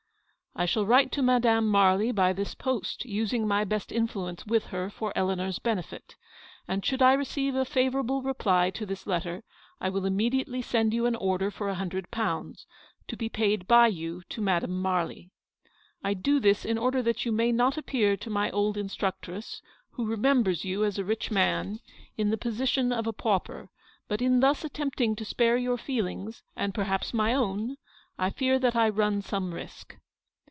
" I shall write to Madame Marly by this post, using my best influence with her for Eleanor's benefit ; and, should I receive a favourable reply 32 Eleanor's victory. to this letter, I will immediately send you an order for a hundred pounds, to be paid by you to Madame Marly. " I do this in order that you may not appear to my old instructress — who remembers you as a rich man — in the position of a pauper; but in thus attempting to spare your feelings, and per haps my own, I fear that I run some risk.